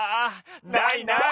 ないない。